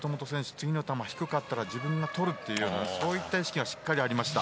次の球が低かったら自分がとるという意識がしっかりありました。